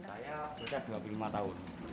saya sudah dua puluh lima tahun